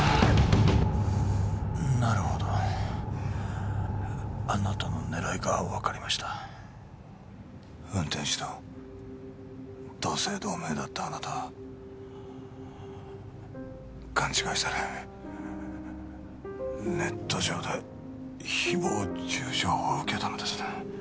なるほどあなたの狙いが分かりました運転手と同姓同名だったあなたは勘違いされネット上で誹謗中傷を受けたのですね